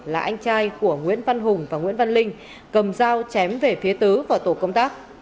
là anh trai của nguyễn văn hùng và nguyễn văn linh cầm dao chém về phía tứ vào tổ công tác